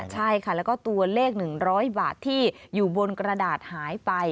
ใช่ค่ะแล้วก็ตัวเลข๑๐๐บาทที่อยู่บนกระดาษหายไป